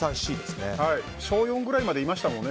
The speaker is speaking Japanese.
小４ぐらいまでいましたもんね